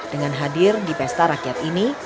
dengan hadir di pesta rakyat ini